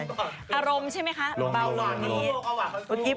พี่ชอบแซงไหลทางอะเนาะ